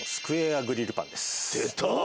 出た。